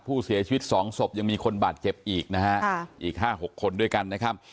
ผู้เสียชีวิต๒ศพยังมีคนบาดเจ็บอีกนะฮะอีก๕๖คนด้วยกันนะครับ